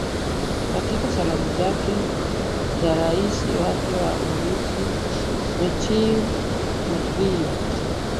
katika salamu zake za raisi wake wa urusi dmitry medeveev